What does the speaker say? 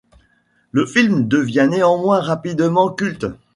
Le film devient néanmoins rapidement culte.